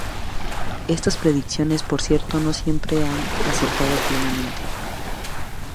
Estas predicciones por cierto no siempre han acertado plenamente.